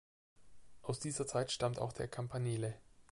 Aus dieser Zeit stammt auch der Campanile.